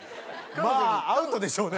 まあアウトでしょうね。